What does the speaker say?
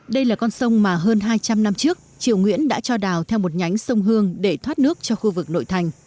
đây là con sông mà hơn hai trăm linh năm trước triệu nguyễn đã cho đào theo một nhánh sông hương để thoát nước cho khu vực nội thành